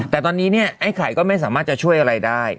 แต่ตอนนี้เนี่ยไอ้ไข่ก็ไม่สามารถจะช่วยอะไรได้